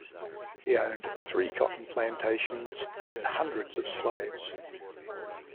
He owned three cotton plantations and hundreds of slaves.